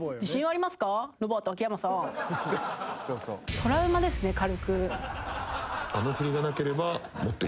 トラウマですね軽く。